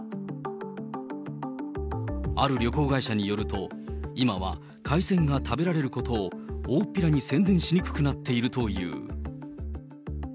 ある旅行会社によると、今は海鮮が食べられることを大っぴらに宣伝しにくくなっているという。